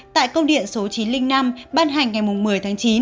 tại công điện số chín trăm linh năm ban hành ngày một mươi tháng chín